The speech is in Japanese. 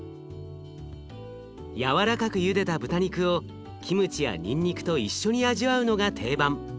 軟らかくゆでた豚肉をキムチやにんにくと一緒に味わうのが定番。